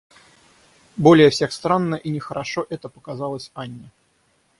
Более всех странно и нехорошо это показалось Анне.